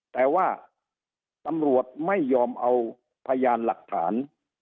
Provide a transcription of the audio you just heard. แต่ว่าตำรวจไม่ยอมเอาพยานหลักฐาน